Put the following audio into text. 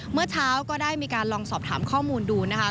เมื่อเช้าก็ได้มีการลองสอบถามข้อมูลดูนะคะ